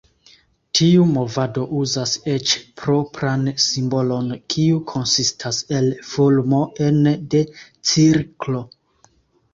Tiu movado uzas eĉ propran simbolon, kiu konsistas el fulmo ene de cirklo.